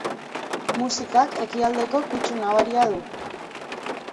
Musikak ekialdeko kutsu nabaria du.